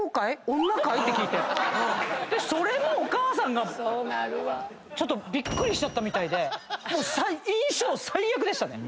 でそれもお義母さんがびっくりしちゃったみたいでもう印象最悪でしたね。